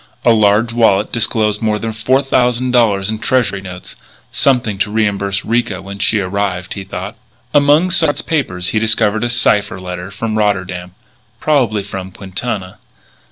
A large wallet disclosed more than four thousand dollars in Treasury notes something to reimburse Ricca when she arrived, he thought. Among Sard's papers he discovered a cipher letter from Rotterdam probably from Quintana.